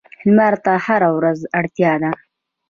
لمر ته هره ورځ اړتیا ده.